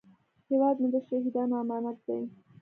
هیواد مې د شهیدانو امانت دی